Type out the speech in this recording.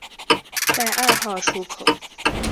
在二号出口